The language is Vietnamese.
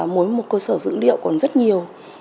mỗi một cơ sở dữ liệu còn rất nhiều